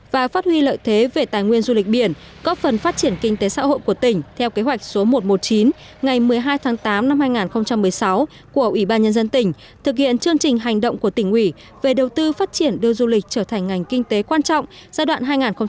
và phát huy lợi thế về tài nguyên du lịch biển góp phần phát triển kinh tế xã hội của tỉnh theo kế hoạch số một trăm một mươi chín ngày một mươi hai tháng tám năm hai nghìn một mươi sáu của ủy ban nhân dân tỉnh thực hiện chương trình hành động của tỉnh ủy về đầu tư phát triển đưa du lịch trở thành ngành kinh tế quan trọng giai đoạn hai nghìn một mươi sáu hai nghìn hai mươi